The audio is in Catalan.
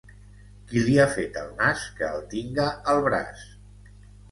Qui li ha fet el nas, que el tinga al braç.